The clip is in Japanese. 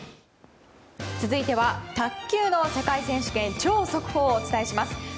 続いては卓球の世界選手権超速報をお伝えします。